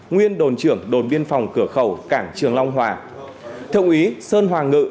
nguyên đồn trưởng đồn biên phòng cửa khẩu cảng trường long hòa thượng úy sơn hoàng ngự